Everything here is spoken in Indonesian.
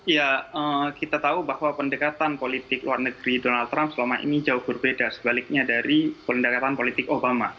ya kita tahu bahwa pendekatan politik luar negeri donald trump selama ini jauh berbeda sebaliknya dari pendekatan politik obama